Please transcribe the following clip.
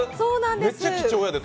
めっちゃ貴重やで。